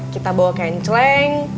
kita bawa kencleng